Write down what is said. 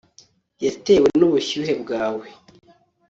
Yatewe nubushyuhe bwawe